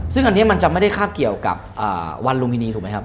ซึ่งอันนี้มันจะไม่ได้คาบเกี่ยวกับวันลุมพินีถูกไหมครับ